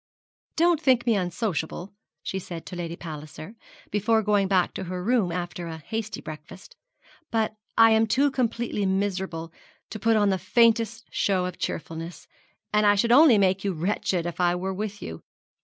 'Don't think me unsociable,' she said to Lady Palliser, before going back to her room after a hasty breakfast; 'but I am too completely miserable to put on the faintest show of cheerfulness, and I should only make you wretched if I were with you.